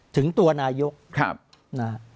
ถึงตัวนายกนะฮะ